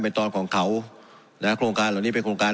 เป็นตอนของเขานะโครงการเหล่านี้เป็นโครงการ